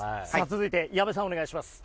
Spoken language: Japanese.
続いて矢部さんお願いします。